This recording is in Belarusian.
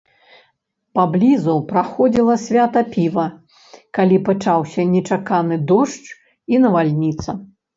Паблізу праходзіла свята піва, калі пачаўся нечаканы дождж і навальніца.